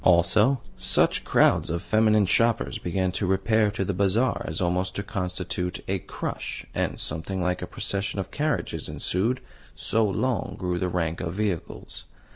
Also, such crowds of feminine shoppers began to repair to the Bazaar as almost to constitute a crush, and something like a procession of carriages ensued, so long grew the rank of vehicles.